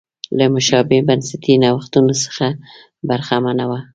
له مشابه بنسټي نوښتونو څخه برخمنه وه.